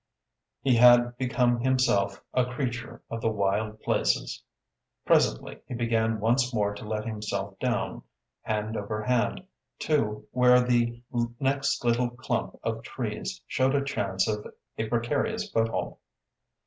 He had become himself a creature of the wild places. Presently he began once more to let himself down, hand over hand, to where the next little clump of trees showed a chance of a precarious foothold.